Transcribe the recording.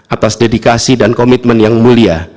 atas dedikasi dan komitmen yang mulia